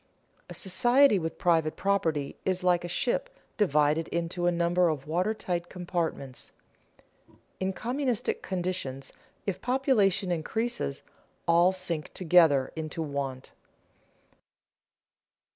A society with private property is like a ship divided into a number of water tight compartments. In communistic conditions if population increases, all sink together into want.